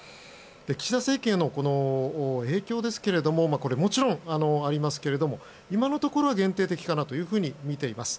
岸田政権への影響ですけれどもこれ、もちろんありますが今のところは限定的かなとみています。